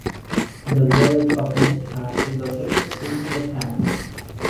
The Village of Mishicot is located within the town.